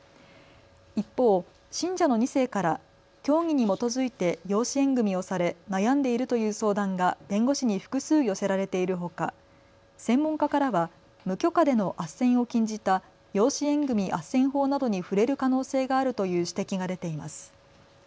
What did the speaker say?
一方、信者の２世から教義に基づいて養子縁組みをされ悩んでいるという相談が弁護士に複数寄せられているほか、専門家からは無許可でのあっせんを禁じた養子縁組あっせん法などに触れる可能性があるという指摘が出ています。